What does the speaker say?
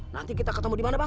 nanti kita ketemu dimana bang